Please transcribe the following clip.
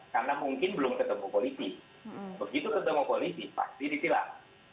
karena mungkin belum ketemu polisi begitu ketemu polisi pasti disilam